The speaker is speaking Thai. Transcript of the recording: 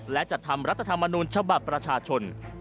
และจัดทำรัฐธรรมนูญฉบับประชาชน